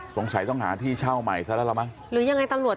สงสัยต้องหาที่เช่าใหม่ซะแล้วล่ะมั้งหรือยังไงตำรวจ